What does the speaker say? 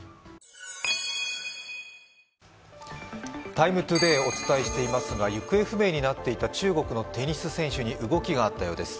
「ＴＩＭＥ，ＴＯＤＡＹ」をお伝えしていますが行方不明になっていた中国のテニス選手に動きがあったようです。